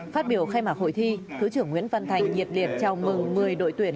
phát biểu khai mạc hội thi thứ trưởng nguyễn văn thành nhiệt liệt chào mừng một mươi đội tuyển